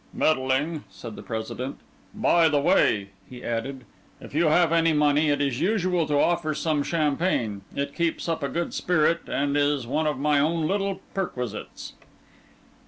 "Middling," said the President. "By the way," he added, "if you have any money, it is usual to offer some champagne. It keeps up a good spirit, and is one of my own little perquisites."